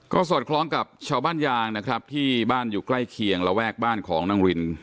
ก็สอดคล้องกับชาวบ้านยางนะครับที่บ้านอยู่ใกล้เคียงระแวกบ้านของนางริน